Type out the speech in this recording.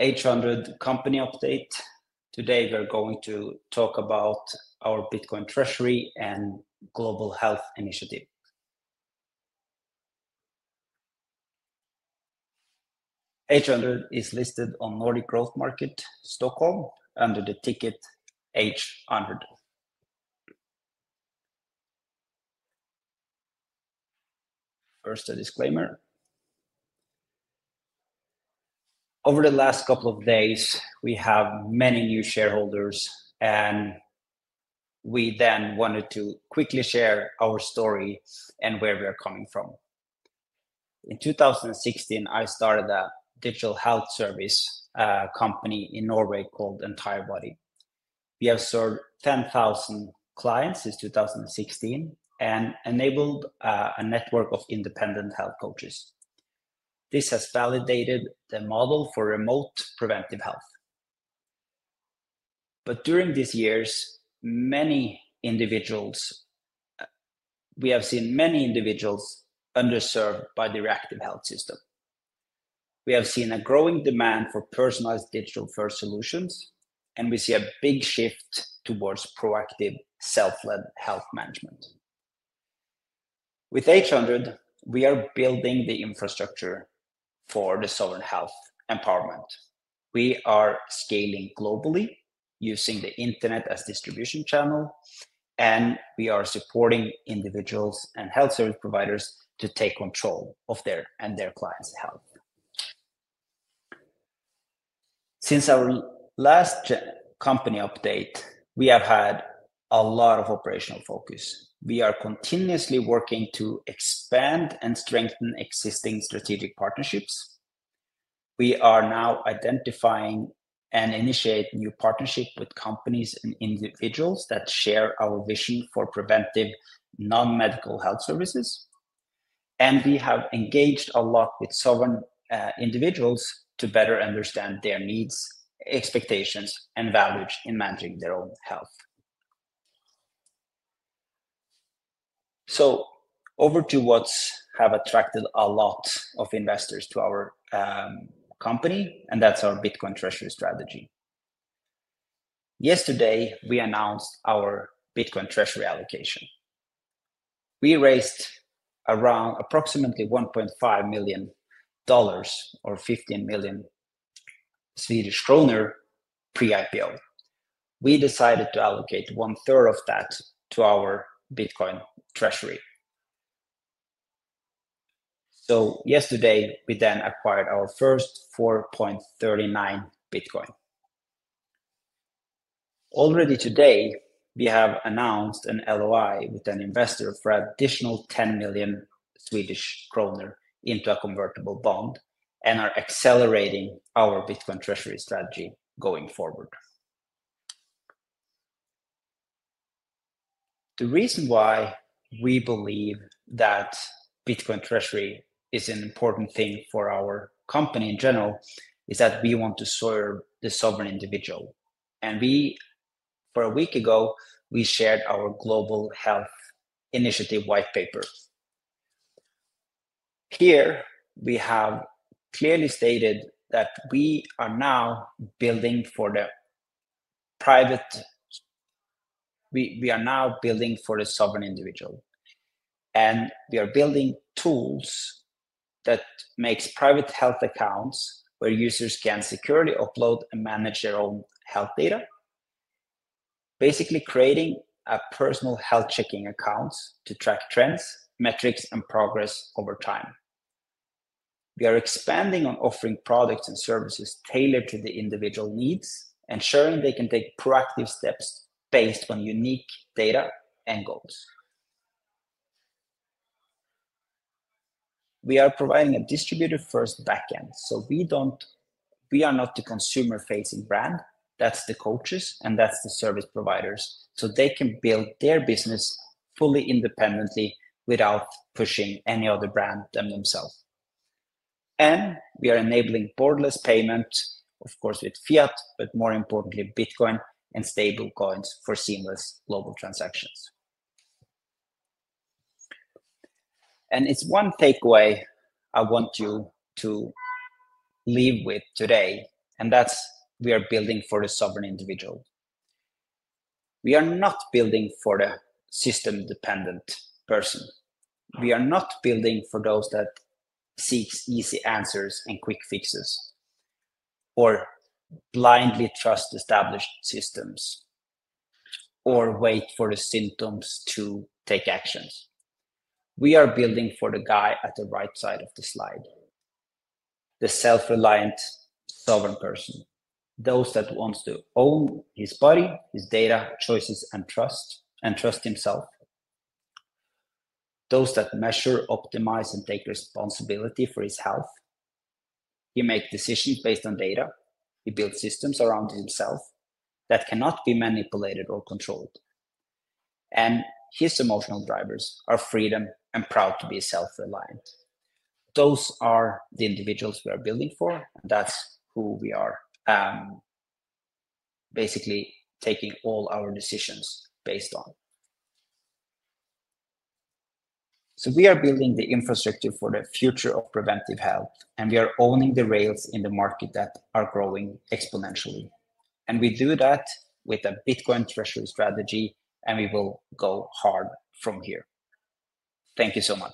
H100 Company Update. Today we're going to talk about our Bitcoin Treasury and Global Health Initiative. H100 is listed on Nordic Growth Market, Stockholm, under the ticker H100. First, a disclaimer. Over the last couple of days, we have many new shareholders, and we then wanted to quickly share our story and where we are coming from. In 2016, I started a digital health service company in Norway called Entirebody. We have served 10,000 clients since 2016 and enabled a network of independent health coaches. This has validated the model for remote preventive health. During these years, we have seen many individuals underserved by the reactive health system. We have seen a growing demand for personalized digital-first solutions, and we see a big shift towards proactive, self-led health management. With H100, we are building the infrastructure for the sovereign health empowerment. We are scaling globally using the internet as a distribution channel, and we are supporting individuals and health service providers to take control of their and their clients' health. Since our last company update, we have had a lot of operational focus. We are continuously working to expand and strengthen existing strategic partnerships. We are now identifying and initiating new partnerships with companies and individuals that share our vision for preventive non-medical health services. We have engaged a lot with sovereign individuals to better understand their needs, expectations, and values in managing their own health. Over to what has attracted a lot of investors to our company, and that is our Bitcoin Treasury strategy. Yesterday, we announced our Bitcoin Treasury allocation. We raised approximately $1.5 million or SEK 15 million pre-IPO. We decided to allocate one-third of that to our Bitcoin Treasury. Yesterday, we then acquired our first 4.39 Bitcoin. Already today, we have announced an LOI with an investor for an additional 10 million Swedish kronor into a convertible bond and are accelerating our Bitcoin Treasury strategy going forward. The reason why we believe that Bitcoin Treasury is an important thing for our company in general is that we want to serve the sovereign individual. For a week ago, we shared our Global Health Initiative white paper. Here, we have clearly stated that we are now building for the private—we are now building for the sovereign individual. We are building tools that make private health accounts where users can securely upload and manage their own health data, basically creating personal health checking accounts to track trends, metrics, and progress over time. We are expanding on offering products and services tailored to the individual needs, ensuring they can take proactive steps based on unique data and goals. We are providing a distributor-first backend, so we do not—we are not the consumer-facing brand. That is the coaches, and that is the service providers, so they can build their business fully independently without pushing any other brand themselves. We are enabling borderless payment, of course, with fiat, but more importantly, Bitcoin and stablecoins for seamless global transactions. It is one takeaway I want you to leave with today, and that is we are building for the sovereign individual. We are not building for the system-dependent person. We are not building for those that seek easy answers and quick fixes or blindly trust established systems or wait for the symptoms to take actions. We are building for the guy at the right side of the slide, the self-reliant sovereign person, those that want to own his body, his data, choices, and trust, and trust himself. Those that measure, optimize, and take responsibility for his health. He makes decisions based on data. He builds systems around himself that cannot be manipulated or controlled. His emotional drivers are freedom and proud to be self-reliant. Those are the individuals we are building for, and that's who we are basically taking all our decisions based on. We are building the infrastructure for the future of preventive health, and we are owning the rails in the market that are growing exponentially. We do that with a Bitcoin Treasury strategy, and we will go hard from here. Thank you so much.